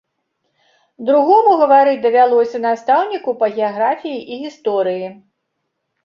Другому гаварыць давялося настаўніку па геаграфіі і гісторыі.